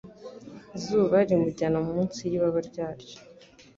Izuba rimujyana munsi y’ibaba ryaryo